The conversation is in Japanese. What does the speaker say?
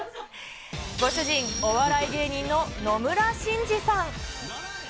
ご主人、お笑い芸人の野村しんじさん。